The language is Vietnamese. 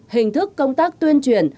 hình thức công tác tuyên truyền